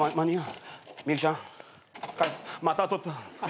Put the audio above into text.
また取った。